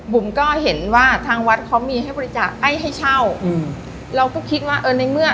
บุ๋มก็เห็นว่าทางวัดเขามีให้บริจาคไอ้ให้เช่าอืมเราก็คิดว่าเออในเมื่อ